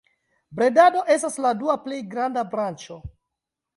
Bredado estas la dua plej granda branĉo.